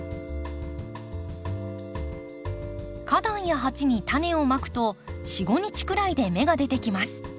花壇や鉢にタネをまくと４５日くらいで芽が出てきます。